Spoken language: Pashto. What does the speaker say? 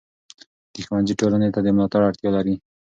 د ښوونځي ټولنې ته د ملاتړ اړتیا لري.